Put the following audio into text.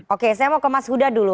oke saya mau ke mas huda dulu